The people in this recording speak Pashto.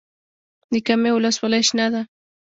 د کامې ولسوالۍ شنه ده